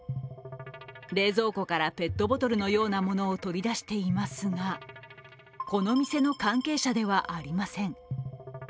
冷蔵庫からペットボトルのようなものを取り出していますがこの店の関係者ではありません。